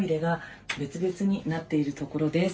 ところです。